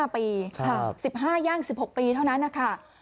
๕ปี๑๕ย่าง๑๖ปีเท่านั้นนะคะ